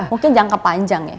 mungkin jangka panjang ya